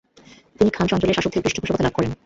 তিনি খাম্স অঞ্চলের শাসকদের পৃষ্ঠপোষকতা লাভ করেন।